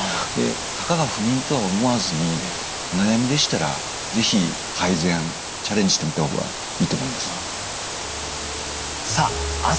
たかが不眠とは思わずにお悩みでしたら是非改善チャレンジしてみた方がいいと思います。